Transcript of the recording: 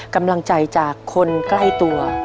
กำลังใจจากคนใกล้ตัว